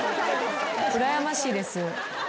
うらやましいです。